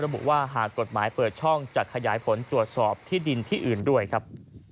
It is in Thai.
ระบุว่าหากกฎหมายเปิดช่องจะขยายผลตรวจสอบที่ดินที่อื่นด้วยครับ